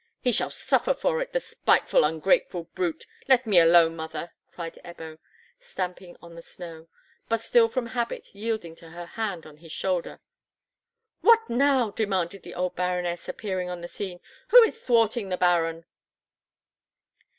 "He shall suffer for it, the spiteful, ungrateful brute! Let me alone, mother!" cried Ebbo, stamping on the snow, but still from habit yielding to her hand on his shoulder. "What now?" demanded the old Baroness, appearing on the scene. "Who is thwarting the Baron?"